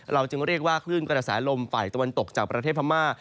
จึงเรียกว่าคลื่นกระแสลมฝ่ายตะวันตกจากประเทศพม่า